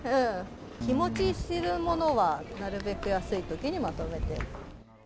日持ちするものはなるべく安いときにまとめて。